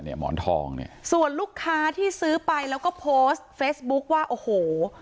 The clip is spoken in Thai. หมอนทองเนี่ยส่วนลูกค้าที่ซื้อไปแล้วก็โพสต์เฟซบุ๊คว่าโอ้โห